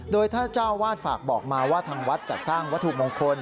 โดยถ้าเจ้าวาดฝากบอกมาว่าทางวัดจัดสร้างวัตถุมงคล